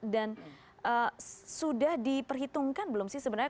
dan sudah diperhitungkan belum sih sebenarnya